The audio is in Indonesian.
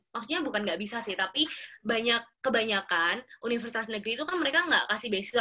maksudnya bukan nggak bisa sih tapi kebanyakan universitas negeri itu kan mereka nggak kasih beasiswa